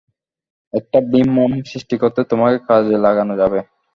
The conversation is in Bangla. একটা বিভ্রম সৃষ্টি করতে, তোমাকে কাজে লাগানো যাবে।